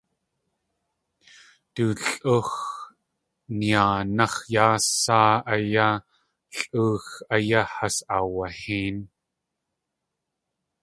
Yaa Lʼúx yinaanáx̲ yá saa áyá yaa Lʼúx áyá has aawahéin.